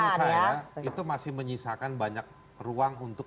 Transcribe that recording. menurut saya itu masih menyisakan banyak ruang untuk